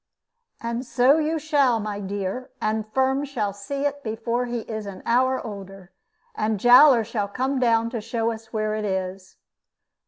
"And so you shall, my dear, and Firm shall see it before he is an hour older, and Jowler shall come down to show us where it is."